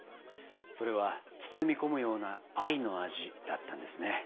それは包み込むような愛の味だったんですね。